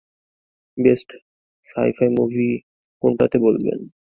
Best sci-fi movie কোনটাকে বলবেন?